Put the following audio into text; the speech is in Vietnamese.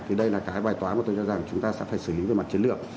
thì đây là cái bài toán mà tôi cho rằng chúng ta sẽ phải xử lý về mặt chiến lược